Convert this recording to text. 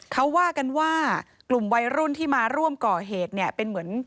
ทำอะไรมากกว่านี้ไม่ได้แล้วใช่ไหมในการตระงับเหตุ